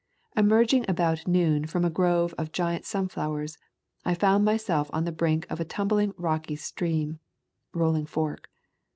Emerging about noon from a grove of giant sunflowers, I found myself on the brink of a tumbling rocky stream [Rolling Fork].